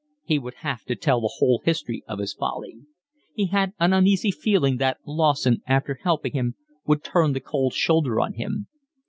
He would have to tell the whole history of his folly. He had an uneasy feeling that Lawson, after helping him, would turn the cold shoulder on him.